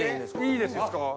いいです。